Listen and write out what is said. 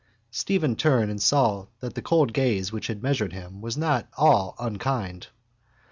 Stephen turned and saw that the cold gaze which had measured him was not all unkind.